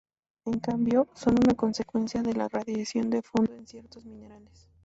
En cambio, son una consecuencia de la radiación de fondo en ciertos minerales.